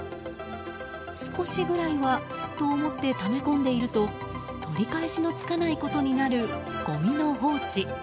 少しぐらいはと思ってため込んでいると取り返しのつかないことになるごみの放置。